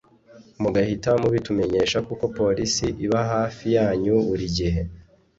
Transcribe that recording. mugahita mubitumenyesha kuko Polisi iba hafi yanyu buri gihe”